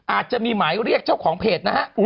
อาจจะมีหมายเรียกเจ้าของเพจนะฮะ